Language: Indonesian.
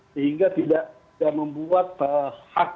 sehingga tidak membuat hak